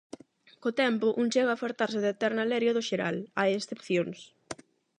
Co tempo, un chega a fartarse da eterna leria do xeral; hai excepcións.